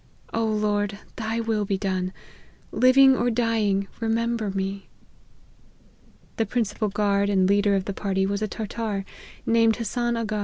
O Lord, thy will be done ! Living or dying, remember me !" The principal guard and leader of the party was a Tartar, named Hassan Aga.